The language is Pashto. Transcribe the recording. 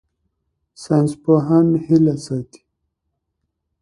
ساینسپوهان هیله ساتي.